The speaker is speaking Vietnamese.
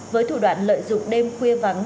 với thủ đoạn lợi dụng đêm khuya vắng